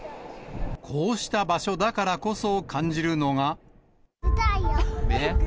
こうした場所だからこそ感じるのが。